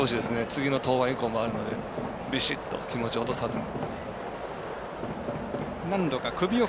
次の登板以降もあるのでビシッと気持ちを落とさずに。